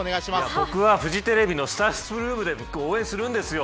僕はフジテレビのスタッフルームで応援するんですよ。